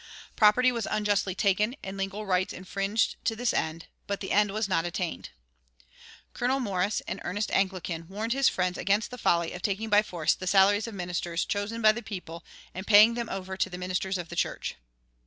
Property was unjustly taken and legal rights infringed to this end, but the end was not attained. Colonel Morris, an earnest Anglican, warned his friends against the folly of taking by force the salaries of ministers chosen by the people and paying them over to "the ministers of the church."